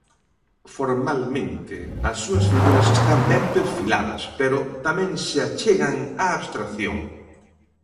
Formalmente, as súas figuras están ben perfiladas pero tamén se achegan á abstracción.